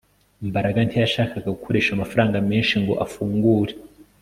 Mbaraga ntiyashakaga gukoresha amafaranga menshi ngo afungure